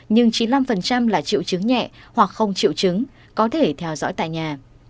nhưng chín mươi năm là triệu chứng nhẹ hoặc không chịu chứng có thể theo dõi tại nhà